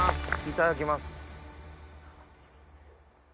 いただきます。